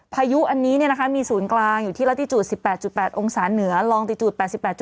พายุอันนี้มีศูนย์กลางอยู่ที่ละที่จุด๑๘๘องศาเหนือลองตีจุด๘๘